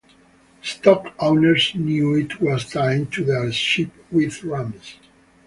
Stock owners knew it was time to their sheep with rams.